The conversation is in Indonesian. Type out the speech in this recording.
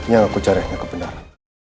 yang aku cari kebenaran